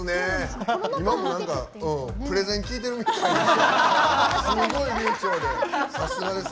今もプレゼン聞いてるみたいで。